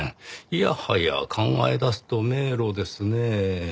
いやはや考えだすと迷路ですねぇ。